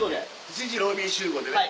７時ロビー集合でね。